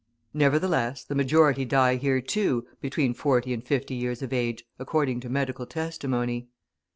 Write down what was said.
Nevertheless, the majority die here, too, between forty and fifty years of age, according to medical testimony.